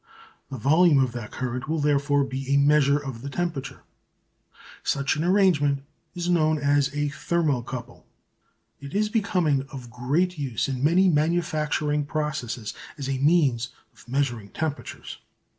The volume of that current will therefore be a measure of the temperature. Such an arrangement is known as a thermo couple, and is becoming of great use in many manufacturing processes as a means of measuring temperatures.